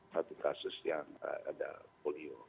satu kasus yang ada polio